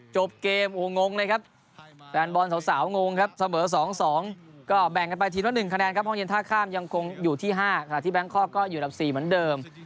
จบเกมโอ้งงเลยครับแฟนบอลสาวงงครับเสมอ๒๒ก็แบ่งกันไปทีละ๑คะแนนครับห้องเย็นท่าข้ามยังคงอยู่ที่๕ขณะที่แบงคอกก็อยู่อันดับ๔เหมือนเดิม